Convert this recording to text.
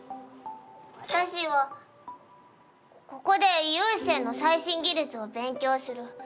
私はここで湯専の最新技術を勉強する！